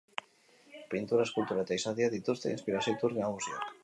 Pintura, eskultura eta izadia dituzte inspirazio-iturri nagusiak.